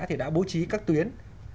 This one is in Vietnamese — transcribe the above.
thì đã bố trí các tuyến